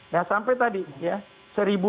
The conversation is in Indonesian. ya sampai tadi ya seribu lebih dalam penularan itu